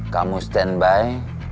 kamu stand by